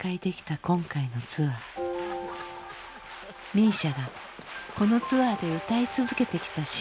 ＭＩＳＩＡがこのツアーで歌い続けてきた新曲があります。